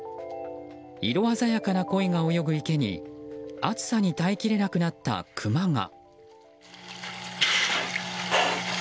色鮮やかなコイが泳ぐ池に暑さに耐え切れなくなったクマが。